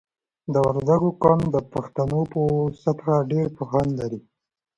د وردګو قوم د پښتنو په سطحه ډېر پوهان لري.